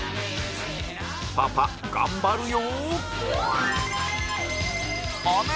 パパ頑張るよ！